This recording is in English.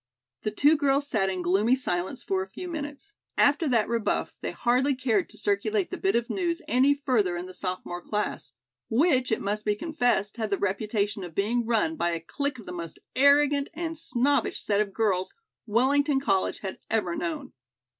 The two girls sat in gloomy silence for a few minutes. After that rebuff, they hardly cared to circulate the bit of news any further in the sophomore class, which, it must be confessed, had the reputation of being run by a clique of the most arrogant and snobbish set of girls Wellington College had ever known.